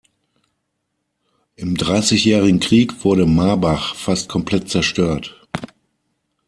Im Dreißigjährigen Krieg wurde Marbach fast komplett zerstört.